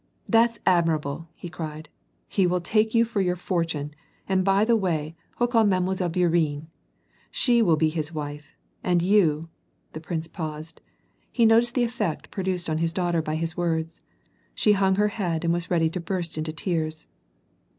"Tliat's admirable," lie cried. '* He will take you for your fortune, and by the way, hook on Mile. Bourienne ! She will be his wife, and you" — the prince paused. He noticed the effect produced on his daughter by his words. She hung her head and was ready to burst into tears.